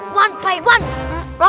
satu demi satu